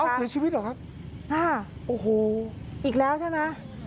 เสียชีวิตเหรอครับค่ะโอ้โหอีกแล้วใช่ไหม